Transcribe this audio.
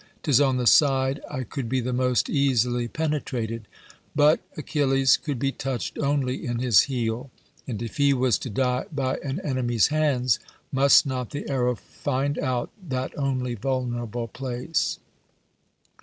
'Tis on the side I could be the most easily penetrated. But Achilles could be touched only in his heel; and if he was to die by an enemy's hands, must not the arrow find out that only vulnerable place?